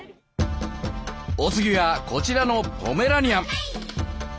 お次はこちらのポメラニアン。